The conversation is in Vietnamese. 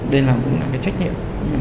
đây là một trách nhiệm